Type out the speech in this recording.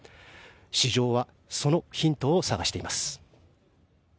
市場はそのヒントを探しています。